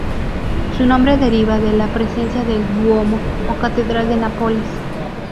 Su nombre deriva de la presencia del "Duomo" o Catedral de Nápoles.